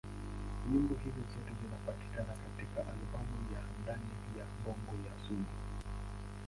Nyimbo hizo zote zinapatikana katika albamu ya Ndani ya Bongo ya Sugu.